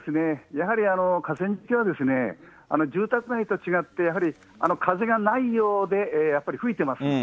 やはり、河川敷は、住宅街と違って、やはり、風がないようでやっぱり吹いてます。